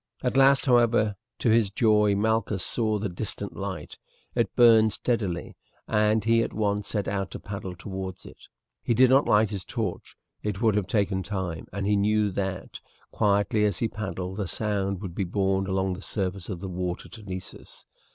At last, however, to his joy Malchus saw the distant light; it burned steadily, and he at once set out to paddle towards it. He did not light his torch it would have taken time, and he knew that, quietly as he paddled, the sound would be borne along the surface of the water to Nessus.